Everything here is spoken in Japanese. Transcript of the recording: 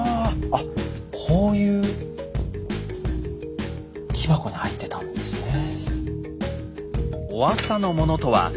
あっこういう木箱に入ってたんですね。